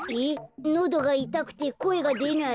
のどがいたくてこえがでない？